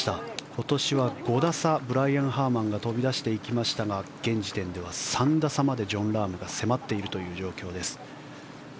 今年は５打差ブライアン・ハーマンが飛び出していきましたが現時点では３打差までジョン・ラームが迫っているという状況です。